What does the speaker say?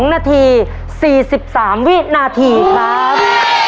๒นาที๔๓วินาทีครับ